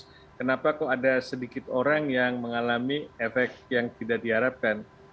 jadi saya rasa kalau ada sedikit orang yang mengalami efek yang tidak diharapkan